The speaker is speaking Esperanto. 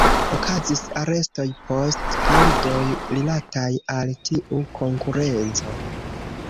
Okazis arestoj post murdoj rilataj al tiu konkurenco.